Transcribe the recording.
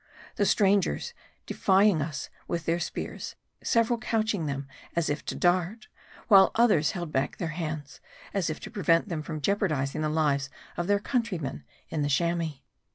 The strangers defying us with their spears ; several couching them as if to dart ; while others held back their hands, as if to prevent them from jeopardizing the lives of their countrymen in the Chamois.